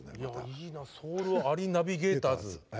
いいなソウルアリナビゲーターズ。